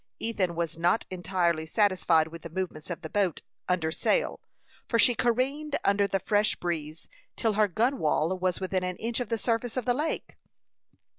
Ethan was not entirely satisfied with the movements of the boat under sail, for she careened under the fresh breeze, till her gunwale was within an inch of the surface of the lake.